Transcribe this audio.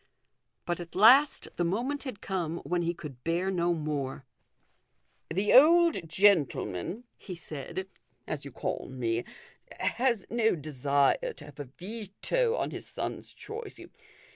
But at last the moment had come when he could bear no more. THE GOLDEN RULE. 307 " The old gentleman," he said, " as you call me, has no desire to have a veto on his son's choice.